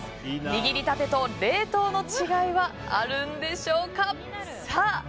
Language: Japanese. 握りたてと冷凍の違いはあるんでしょうか。